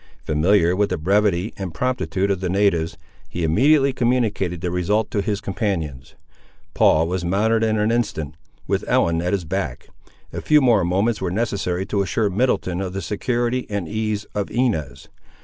Familiar with the brevity and promptitude of the natives, he immediately communicated the result to his companions. Paul was mounted in an instant, with Ellen at his back. A few more moments were necessary to assure Middleton of the security and ease of Inez.